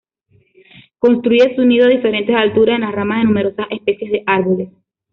Construye su nido a diferentes alturas en las ramas de numerosas especies de árboles.